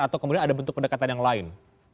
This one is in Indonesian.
atau kemudian ada bentuk pendekatan yang lain